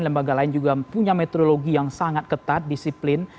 lembaga lain juga punya metodologi yang sangat ketat disiplin